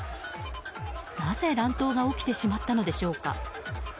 なぜ、乱闘が起きてしまったのでしょうか。